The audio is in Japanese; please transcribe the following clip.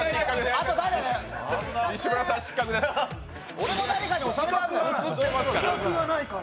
俺も誰かに押されたんだよ！